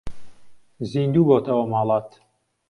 زیندوو بۆتەوە ماڵات